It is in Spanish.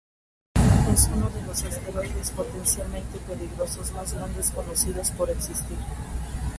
Es uno de los asteroides potencialmente peligrosos más grandes conocidos por existir.